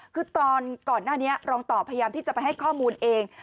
คือตอนก่อนหน้านี้รองต่อพยายามที่จะไปให้ข้อมูลเอง